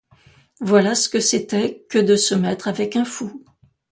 Voilà ce que c'était que de se mettre avec un fou!